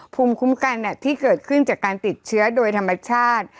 ภูมิคุ้มกันที่เกิดขึ้นจากการติดเชื้อโดยธรรมชาติ